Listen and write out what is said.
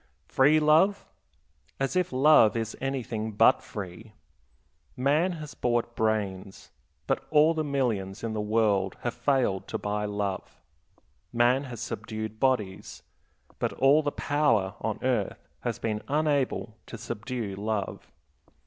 Free love? As if love is anything but free! Man has bought brains, but all the millions in the world have failed to buy love. Man has subdued bodies, but all the power on earth has been unable to subdue love.